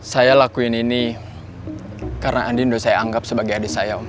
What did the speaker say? saya lakuin ini karena andi sudah saya anggap sebagai adik saya om